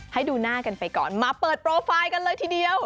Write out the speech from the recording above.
ให้ดูหน้ากันไปก่อนมาเปิดโปรไฟล์กันเลยทีเดียว